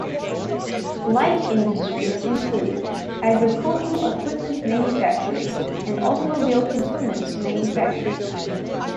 Light industries include agricultural equipment manufacturing and automobile components manufacturing.